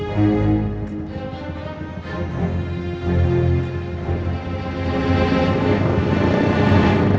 kau tak ngerasakan aku di planet